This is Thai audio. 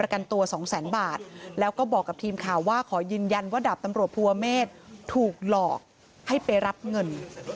กันตัวสองแสนบาทแล้วก็บอกกับทีมข่าวว่าขอยืนยันว่าดาบตำรวจภูเมฆถูกหลอกให้ไปรับเงิน